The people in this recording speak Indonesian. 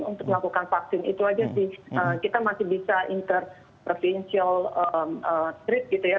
untuk melakukan vaksin itu aja sih kita masih bisa inter prevential trip gitu ya